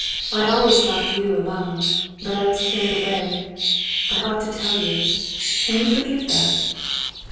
I always loved you alone, but I was carried away. I ought to tell you.... Can you forgive that?"